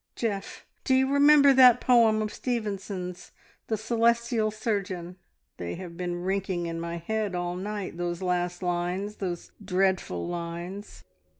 Geoff, do you remember that poem of Stevenson's, `The Celestial Surgeon'? They have been rinking in my head all night, those last lines, those dreadful lines.